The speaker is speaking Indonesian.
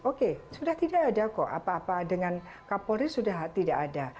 oke sudah tidak ada kok apa apa dengan kapolri sudah tidak ada